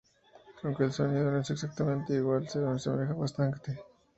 Aunque el sonido no es exactamente igual, se asemeja bastante.